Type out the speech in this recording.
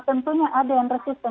tentunya ada yang resisten